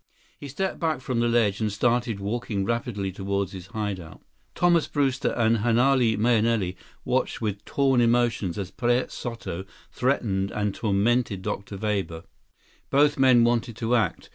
He stepped back from the ledge and started walking rapidly toward his hideout. Thomas Brewster and Hanale Mahenili watched with torn emotions as Perez Soto threatened and tormented Dr. Weber. Both men wanted to act.